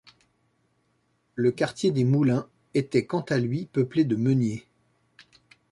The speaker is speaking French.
Le quartier des Moulins était quant à lui peuplé de meuniers.